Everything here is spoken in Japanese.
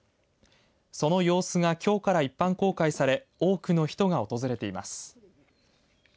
その様子がきょうから一般公開され多くの人が訪れています。